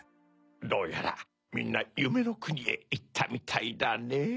どうやらみんなゆめのくにへいったみたいだねぇ。